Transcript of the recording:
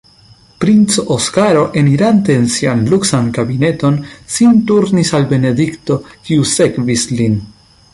Princo Oskaro, enirante en sian luksan kabineton, sin turnis al Benedikto, kiu sekvis lin.